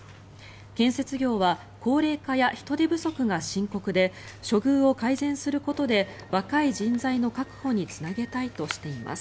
建設業は高齢化や人手不足が深刻で処遇を改善することで若い人材の確保につなげたいとしています。